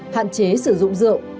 hạn chế sử dụng rượu